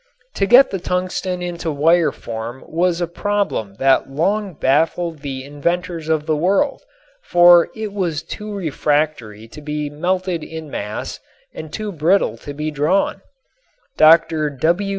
To get the tungsten into wire form was a problem that long baffled the inventors of the world, for it was too refractory to be melted in mass and too brittle to be drawn. Dr.